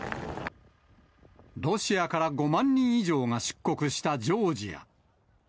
ロシアから５万人以上が出国したジョージア。